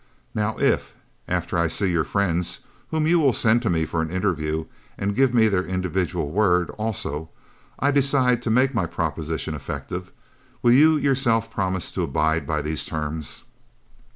Now, if after I see your friends, whom you will send to me for an interview and to give me their individual word, also, I decide to make my proposition effective will you, yourself, promise to abide by these terms?"